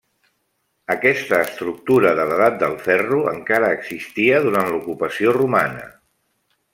Aquesta estructura de l'edat del ferro encara existia durant l'ocupació romana.